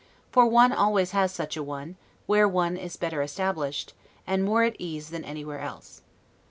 For one always has such a one, where one is better established, and more at ease than anywhere else.